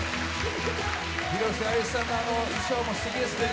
広瀬アリスさんの衣装もすてきですね。